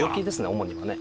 主にはね。